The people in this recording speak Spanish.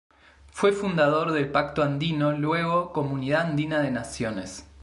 Fue fundador del Pacto Andino luego Comunidad Andina de Naciones.